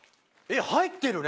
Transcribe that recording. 入ってるね！